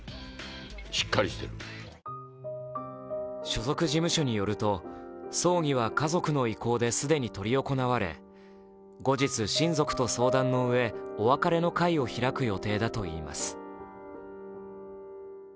所属事務所によると葬儀は家族の意向で既に執り行われ、後日、親族と相談のうえお別れの会を開く予定だといいます。